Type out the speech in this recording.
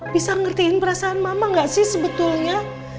bisa ngertiin perasaan mama gak sih sebetulnya